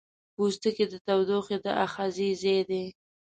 پوستکی د تودوخې د آخذې ځای دی.